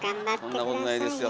そんなことないですよ。